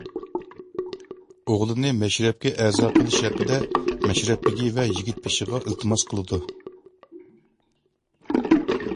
ئوغلىنى مەشرەپكە ئەزا قىلىش ھەققىدە مەشرەپ بېگى ۋە يىگىت بېشىغا ئىلتىماس قىلىدۇ.